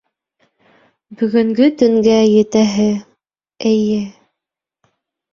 — Бөгөнгө төнгә етәһе, эйе...